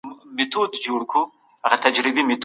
برسونه د هوا رطوبت کې ژر ککړېږي.